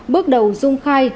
bước đầu dung khai